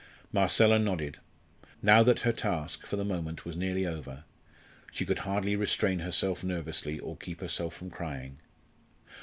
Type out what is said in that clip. Marcella nodded. Now that her task, for the moment, was nearly over, she could hardly restrain herself nervously or keep herself from crying.